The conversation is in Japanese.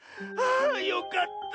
あよかった。